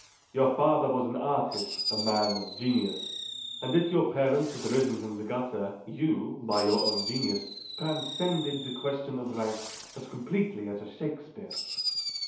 Your father was an artist, a man of genius; and if your parents had risen from the gutter, you, by your own genius, transcend the question of rank as completely as a Shakespeare."